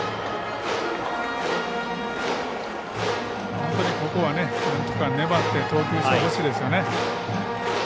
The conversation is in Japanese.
本当にここはなんとか粘って投球してほしいですよね。